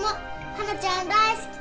花ちゃん大好き！